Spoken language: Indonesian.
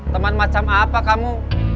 teman macam apa kamu